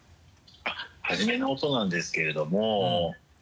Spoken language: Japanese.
初めの音なんですけれども。